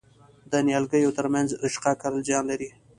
د نیالګیو ترمنځ رشقه کرل زیان لري؟